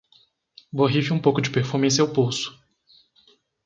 Borrife um pouco do perfume em seu pulso